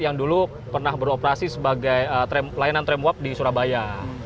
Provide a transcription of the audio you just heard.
yang dulu pernah beroperasi sebagai layanan tram uap di surabaya